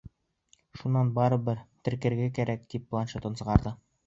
Шунан, барыбер теркәргә кәрәк, тип планшетын сығарҙы.